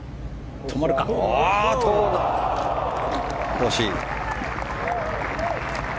惜しい。